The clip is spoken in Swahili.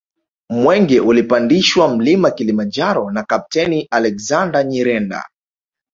Mwenge ulipandishwa Mlima Kilimanjaro na Kapteni Alexander Nyirenda